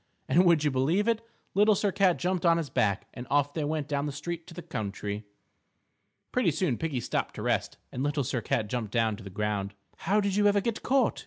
And, would you believe it? Little Sir Cat jumped on his back, and off they went down the street to the country. Pretty soon Piggie stopped to rest, and Little Sir Cat jumped down to the ground. "How did you ever get caught?"